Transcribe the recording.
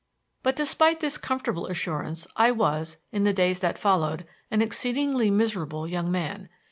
But despite this comfortable assurance I was, in the days that followed, an exceedingly miserable young man.